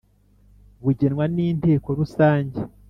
bugenwa n Inteko rusange